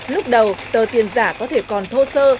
lúc đầu tờ tiền giả có thể còn thô sơ